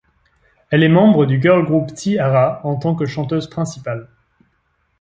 Elle est membre du girl group T-ara en tant que chanteuse principale.